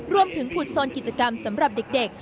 รวมถึงผุดซนกิจกรรมสำหรับเด็ก